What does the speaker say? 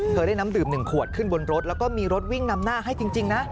ได้น้ำดื่ม๑ขวดขึ้นบนรถแล้วก็มีรถวิ่งนำหน้าให้จริงนะ